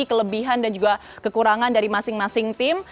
kelebihan dan juga kekurangan dari masing masing tim